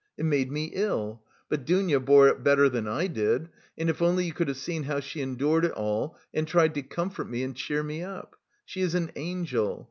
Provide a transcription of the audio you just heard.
It made me ill, but Dounia bore it better than I did, and if only you could have seen how she endured it all and tried to comfort me and cheer me up! She is an angel!